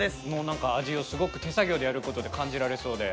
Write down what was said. の味をすごく手作業でやる事で感じられそうで。